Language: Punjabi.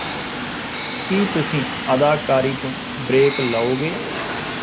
ਕੀ ਤੁਸੀਂ ਅਦਾਕਾਰੀ ਤੋਂ ਬ੍ਰੇਕ ਲਓਗੇ